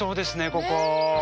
ここ。